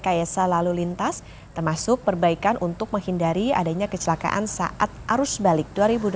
sebelumnya penerapan kontraflow yang terjadi pada hari selasa selalu lintas termasuk perbaikan untuk menghindari adanya kecelakaan saat arus balik dua ribu dua puluh empat